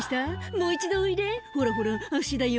もう一度おいで、ほらほら、足だよ。